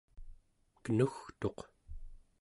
kenugtuq